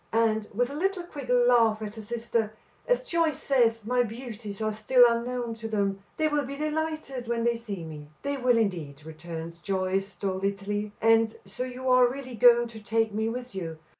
And," with a little, quick laugh at her sister, "as Joyce says, my beauties are still unknown to them; they will be delighted when they see me." "They will, indeed," returns Joyce stolidly. "And so you are really going to take me with you.